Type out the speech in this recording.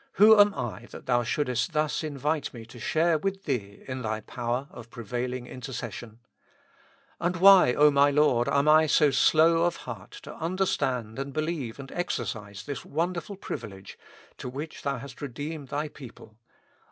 whom am I that Thou shouldest thus invite me to share with Thee in Thy power of prevaihng intercession ? And why, O my Lord ! am I so slow of heart to understand and be Heve and exercise this wonderful privilege to which Thou hast redeemed Thy people